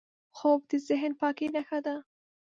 خوب د ذهن پاکۍ نښه ده